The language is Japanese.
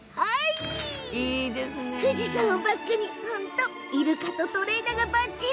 富士山をバックにイルカとトレーナーが、ばっちり。